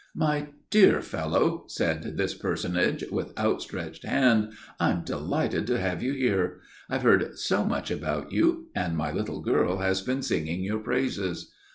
"My dear fellow," said this personage, with outstretched hand, "I'm delighted to have you here. I've heard so much about you; and my little girl has been singing your praises."